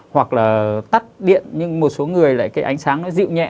hoặc là tắt điện nhưng một số người lại cái ánh sáng nó dịu nhẹ